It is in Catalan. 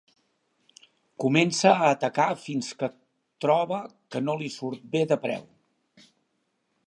Comença a atacar fins que troba que no li surt bé de preu.